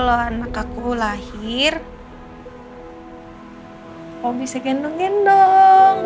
enggak enggak enggak